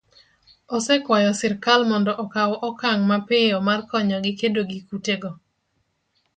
osekwayo sirkal mondo okaw okang' mapiyo mar konyogi kedo gi kutego